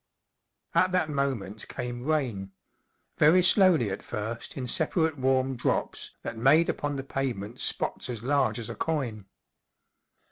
At that mo¬ ment came rain. Very slowly at first in separate warm drop® that made upon the pavement spots as large as a coin.